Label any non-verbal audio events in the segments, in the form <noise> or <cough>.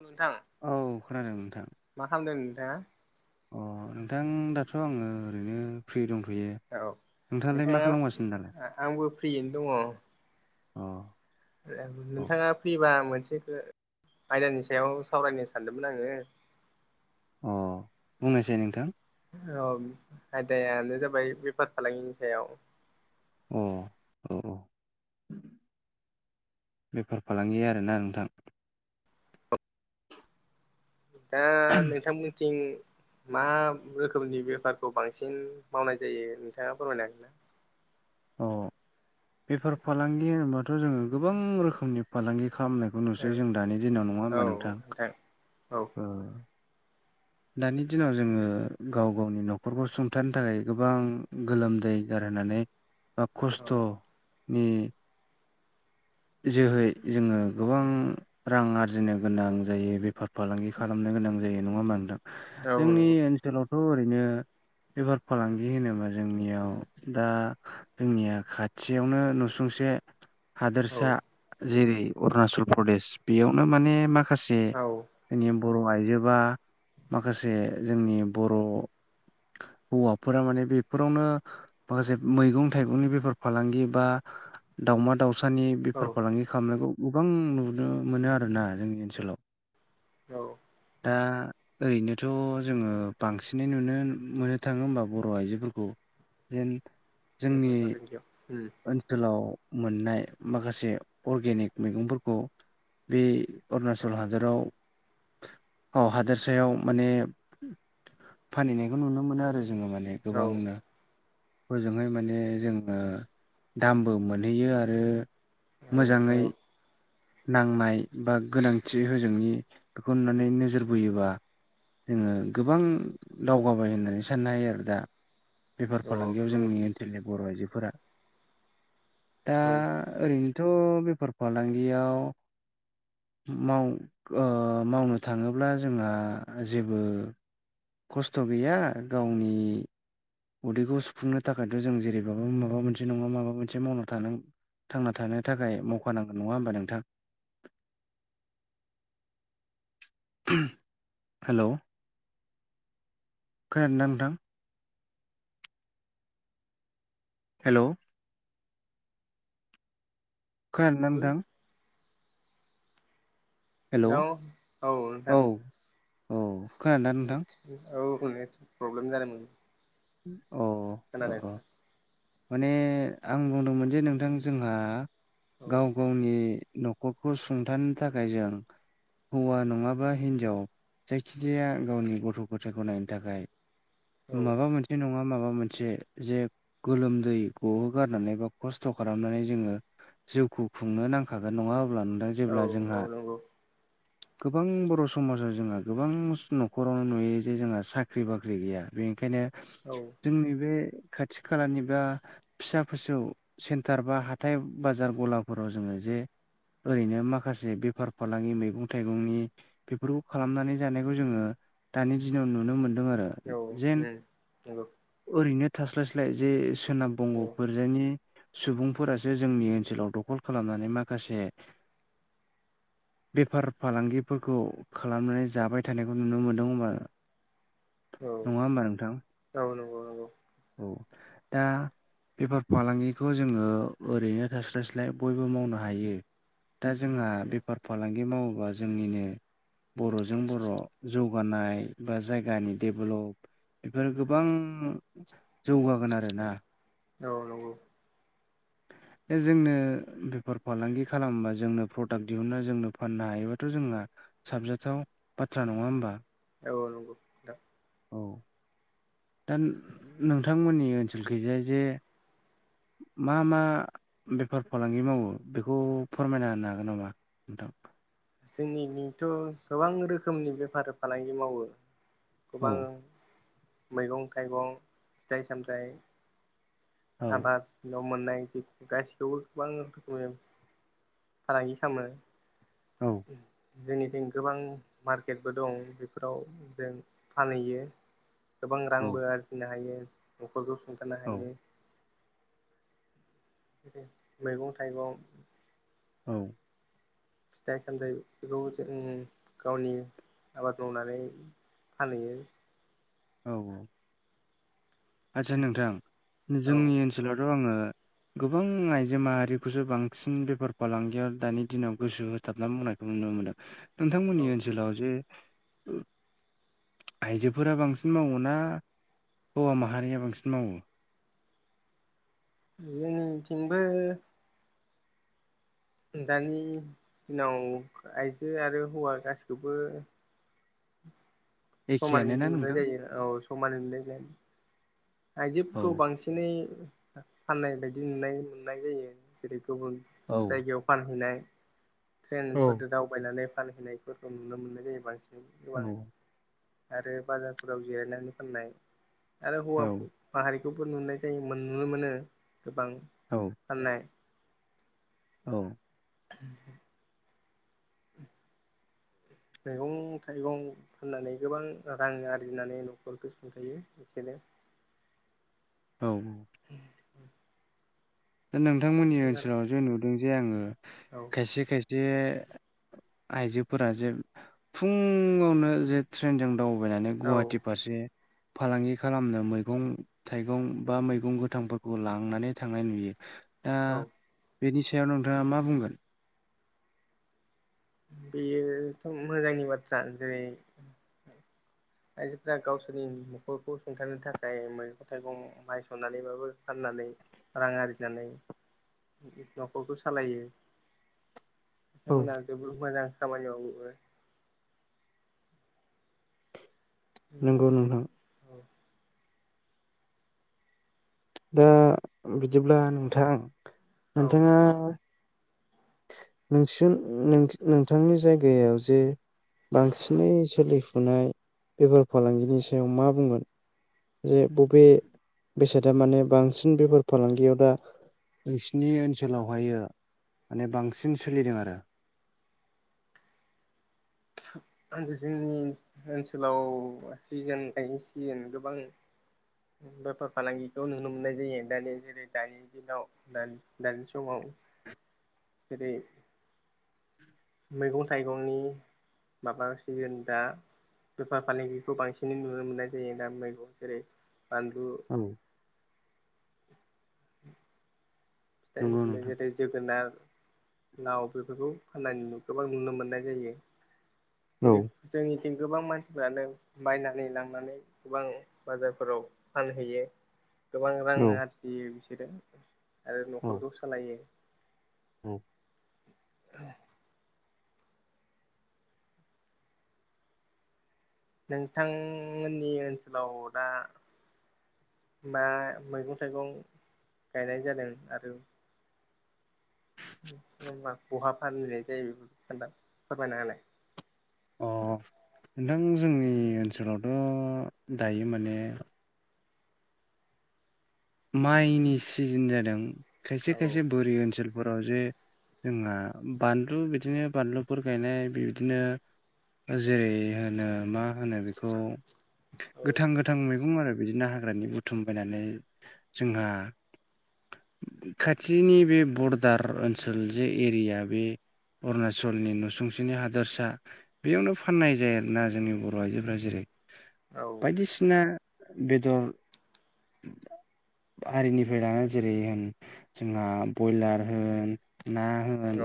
औ नोंथां। औ खोनादों नोंथां। मा खालामदों नोंथाङा अ नोंथां दाथ' आङो ओरैनो फ्रि दंथ'यो। औ नोंथाङालाय मा खालामगासिनो दालाय नोंथाङा आंबो फ्रियैनो दङ। अ औ नोंथाङा फ्रिबा मोनसेखो आयदानि सायाव सावरायनो सानदोंमोन आङो। अ बुंनायसाय नोंथां। औ आयदायानो जाबाय बेफार फालांगिनि सायाव। उम औ बेफार फालांगि आरोना नोंथां। दा नोंथांमोनथिं। मा रोखोमनि बेफारखौ बांसिन मावनाय जायो नोंथाङा फोरमायनो हागोन ना। अ बेफार फालांगि होनोबाथ' जोङो गोबां रोखोमनि फालांगि खालामनायखौ नुनोसै जों दानि दिनाव नङा औ ओमबा नोंथां औ। दानि दिनाव जोङो गाव गावनि नखरखौ सुंथानो थाखाय गोबां गोलोमदै गारहोनानै बा औ खस्थ'नि जोहै जोङो गोबां रां आरजिनो गोनां जायो बेफार फालांगि खालामनो गोनां जायो नङा ओमबा नोंथां। औ जोंनि नंगौ ओनसोलावथ' ओरैनो। बेफार फालांगि होनोबा जोंनियाव दा जोंनिया खाथियावनो नुसुंसे हा- औ लिया जेरै अरुणाचल प्रदेश बेयावनो माने माखासे औ जोंनि बर' आइजोबा माखासे जोंनि बर' हौवाफोरा माने बेफोरावनो माखासे मैगं थाइगंनि बेफार फालांगि बा दावमा दावसानि औ बेफार फालांगि खालामनायखौ गोबां नुनो मोनो आरोना जोंनि ओनसोलाव। औ। दा ओरैनोथ' जोङो बांसिनै नुनो मोननो थाङो ओमबा बर' आइजोफोरखौ जेन जोंनि बेफार फालांगियाव उम। ओनसोलाव मोननाय माखासे अर्गेनिक मैगंफोरखौ बे अरुणाचल हादराव अ हादोरसायाव माने फानहैनायखौ नुनो मोनो आरो जोङो माने औ गोबांनो ओजोंहाय माने जोङो दामबो मोनहैयो आरो मोजाङै औ नांनाय बा गोनांथि होजोंनि बेखौ नुनानै नोजोर बोयोबा जोङो गोबां दावगाबाय होननानै साननो हायो आरो दा। बेफार औ फालांगियाव नंगौ जोंनि ओनसोलनि बर' आइजोफोरा दा औ ओरैनोथ' बेफार फालांगियाव माव ओ मावनो थाङोब्ला जोंहा जेबो खस्थ' गैया गावनि उदैखौ सुफुंनो थाखायथ' जों जेरैबाबो माबा मोनसे नङा माबा मोनसे मावना थाना थांना थानो थाखाय मावखानांगोन नङा ओमबा नोंथां। <inaudible> हेलौ। खोनादों ना नोंथां? हेल'। खोनादों ना नोंथां? हेल' औ हेलौ औ नोंथां औ। खोनादोंना नोंथां औ नेत प्रब्लेम जादोंमोन। अह औ खोनादों औ। माने आं बुंदोंमोन जे नोंथां जोंहा औ गाव गावनि न'खरखौ सुंथानो थाखाय जों हौवा नङाबा हिनजाव जायखिजाया गावनि गथ' गथायखौ नायनो थाखाय माबा औ मोनसे बिदि नङा माबा मोनसे जे गोलोमदै गहोगारनानै बा खस्थ' खालामनानै जोङो जिउखौ खुंनो नांखागोन नङा अब्ला नोंथां? औ जेब्ला जोंहा औ नंगौ। गोबां बर' समाजाव जोंहा गोबां न'खरावनो नुयो जे जोंहा साख्रि बाख्रि गैया बेनिखायनो औ। जोंनि बे खाथि खालानि बा फिसा फिसौ सेन्टार बा हाथाय बाजार गलाफोराव जोङो जे ओरैनो माखासे बेफार फालांगि मैगं थाइगंनि बेफोरखौ खालामनानै जानायखौ जोङो दानि दिनाव नुनो मोनदों आरो। औ जेन औ नंगौ। ओरैनो थास्लायस्लाय जे सोनाब औ बंग'फोर जोंनि सुबुंफोरासो जोंनि ओनसोलाव दखल खालामनानै माखासे बेफार फालांगिफोरखौ खालामनानै जाबाय थानायखौ नुनो मोनदों। औ नङा होमबा नोंथां औ नंगौ नंगौ औ दा। बेफार फालांगिखौ जोङो ओरैनो थास्लायस्लाय बयबो मावनो हायो। दा जोंहा बेफार फालांगि मावोबा जोंनिनो बर'जों बर' जौ जौगानाय बा जायगानि डेभेलप बेफोर गोबां जौगागोन आरो ना। औ नंगौ। जोंनो बेफार फालांगि खालामबा जों जोंनो प्रडाक्ट दिहुनना जोंनो फाननो हायोबाथ' जोंना साबजाथाव बाथ्रा नङा होमबा? औ नंगौ औ दा नोंथांमोननि ओनसोलखैजाय जे मा मा बेफार फालांगि मावो बेखौ फोरमायना होनो हागोन नामा नोंथां जोंनिथ' गोबां रोखोमनि बेफार फालांगि मावो औ गोबां मैगं थाइगं फिथाइ सामथाइ औ आबाद न' मोननाय जि गासिखौबो गोबां रोखोम फालांगि खालामो औ जोंनिथिं गोबां मार्केटबो दं बेफोराव जों फानहैयो गोबां रांबो आरजिनो हायो न'खरखौ सुंथानो औ हायो मैगं थाइगं औ फिथाइ सामथाइ बेखौ जों गावनि आबाद मावनानै फानहैयो औ औ आदसा नोंथां औ जोंनि ओनसोलावथ' आङो गोबां आइजो माहारिखौसो बांसिन बेफार फालांगियाव दानि दिनाव गोसो हो होथाबना मावनायखौ नुनो मोनदों औ नोंथांमोननि ओनसोलाव जे आइजोफोरा बांसिन मावो ना हौवा मा <unintelligible> हारिया बांसिन मावो जोंनिथिंबो दानि दिनाव आइजो आरो हौवा गासैखौबो समानै एखेयानो ना नुनाय नोंथां? जायो औ समानै नुनाय जायो औ आइजोफोरखौ बांसिनै फाननाय बायदि नुनाय नुनाय जायो जेरै गुबुन औ जायगायाव फानहैनाय औ ट्रेनफोरजों दावबायनानै फानहैनाय फोरखौ नुनो मोननाय जायो बांसिन औ गोबांङै आरो बाजारफोराव जिरायनानै फाननाय आरो हौवा औ माहारिखौबो नुनाय जायो नुनो मोनो गोबां औ फाननाय औ <inaudible> उ <inaudible> मैगं थाइगं फाननानै गोबां रां आरजिनानै न'खरखौ सुंथायो एसेनो औ औ <inaudible> दा नोंथांमोननि ओनसोलाव जे नुदों जे आङो औ खायसे खायसे आइजोफोरा जे फुङावनो जे ट्रेनजों दावबायनानै औ गुवाहाटि फारसे फालांगि खालामनो मैगं थाइगं बा मैगं गोथांफोरखौ लांनानै थांनाय नुयो दा औ बेनि सायाव नोंथाङा मा बुंगोन बेयोथ' मोजांनि बाथ्रा जेरै आइजोफोरा गावसोरनि न'खरखौ सुंथानो थाखाय मैगं थाइगं माइ सौनानैबाबो फाननानै रां आरजिनानै न'खरखौ सालायो औ बिथांमोना जोबोद मोजां खामानि मावो नंगौ औ ओ बिदिब्ला नोंथां औ नोंथाङा नोंसो नोंथांनि जायगायाव जे बांसिनै सोलिफुनाय बेफार फालांगिनि सायाव मा बुंगोन? बे बबे बेसादा माने बांसिन बेफोर फालांगियाव दा नोंसिनि ओनसोलावहायो माने बांसिन सोलिदों आरो। आंजों ओनसोलाव सिजोन गायनाय सिजोन गोबां बेफार फालांगिखौ नुनो मोननाय जायो दानिया जेरै दानि दिनाव दानि दानि समाव जेरै मैगं थाइगंनि माबा सिजोन दा बेफार फालांगिखौ बांसिनै नुनो मोननाय जायो दा मैगं जेरै बानलु औ <unintelligible> नंगौ नोंथां जोगोनार लाव बेफोरखौ फाननानै गोबां नुनो मोननाय जायो। औ जेरै जोंनिथिं गोबां मानसिफ्रानो बायनानै लांनानै गोबां बाजारफोराव फानहैयो। गोबां रां आरजियो बिसोरो आरो न'खरखौ सालायो। औ नोंथांमोननि ओनसोलाव दा मा मैगं थाइगं गायनाय जादों आरो ओमबा बहा फानहैनाय जायो बे खोनथा फोरमायनाहोलाय? अ नोंथां जोंनि ओनसोलावथ' दायो माने माइनि सिजोन जादों खायसे औ खायसे बोरि ओनसोल फोराव जे जोंहा बानलु बिदिनो बानलुफोर गायनाय बिबदिनो जेरै होनो मा होनो बेखौ औ गोथां गो थां मैगं आरो बिदिनो हाग्रानि बुथुम बायनानै जोंहा खाथिनि बे बरदार ओनसोल जे एरिया बे अरुणाचलनि नुसुंसेनि हादरसा बेयावनो फाननाय जायो आरोना जोंनि बर' आइजोफ्रा जेरै औ बायदिसिना बेदर आरिनिफ्राय लानानै जेरै होन जोंहा बयलार होन ना होन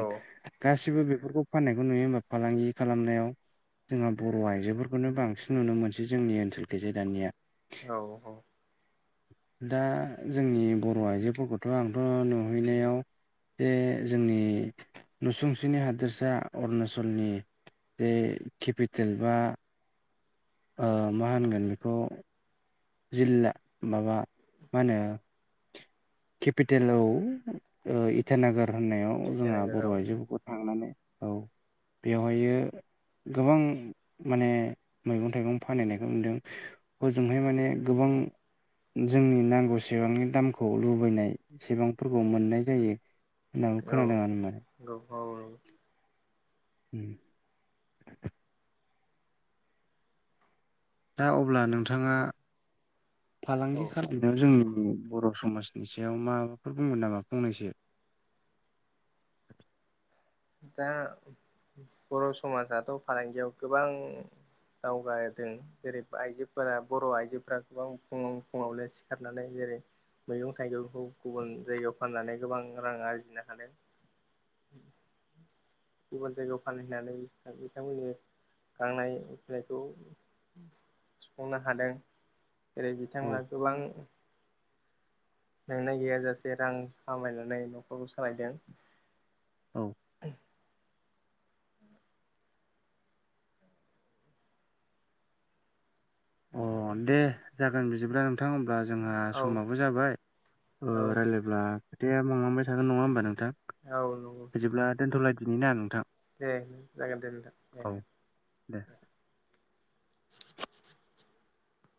गासिबो बेफोरखौ फाननायखौ नुयो ओमबा फालांगि खालामनायाव। जोंहा बर' आइजोफोरखौनो बांसिन नुनो मोनसै जोंनि ओनसोलखैजाय दानिया। औ औ दा जोंनि बर' आइजोफोरखौथ' आंथ' नुहैनायाव जे जोंनि नुसुंसेनि हादोरसा अरुणाचलनि बे केपिटेल बा ओ मा होनगोन बेखौ जिल्ला माबा मा होनो केपिटेलाव औ ओ इटानगार होननायाव जोंहा बर' आइजोफोरखौ थांनानै औ बेवहायो गोबां माने मैगं थाइगं फानहैनायखौ नुदों। बोजोंहाय माने गोबां जोंनि नांगौसेबांनि दामखौ लु लुबैनाय सेबांफोरखौ मोननाय जायो होननानै औ खोनादों आरो ना। औ औ नंगौ उम दा अब्ला नोंथाङा औ फालांगि खालाम जोंनि बर' समाजनि सायाव माबाफोर बुंगोन नामा फंनैसो दा बर' समाजाथ' फालांगियाव गोबां दावगादों। जेरै आइजोफोरा बर' आइजोफोरा गोबां फुङाव फुङावनो सिखारनानै जेरै मैगं थाइगंखौ गुबुन जायगायाव फाननानै गोबां रां आरजिनो हादों। गुबुन जायगायाव फाहैनानै बिथांमोननि गांनाय उखैनायखौ सुफुंनो हादों। जेरै औ बिथांमोना गोबां ओ नेंनाय गैयाजासे रां खामायनानै नखरखौ सालायदों। औ अ दे जागोन बिदिब्ला नोंथां अब्ला जोंहा औ समाबो जाबाय औ रायला ब्ला खोथाया बांलांबाय थागोन नङा ओमबा नोंथां नंगौ नोंथां बिदिब्ला दोनथ'लायदिनि ना नोंथां? दे जागोन दे नोंथां दे। औ दे